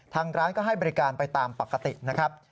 ทางร้านก็ให้บริการไปตามปกตินะครับ